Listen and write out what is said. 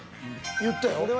言ったよ。